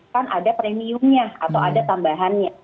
karena ada premiumnya atau ada tambahannya